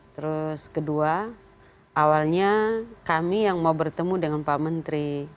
terus kedua awalnya kami yang mau bertemu dengan pak menteri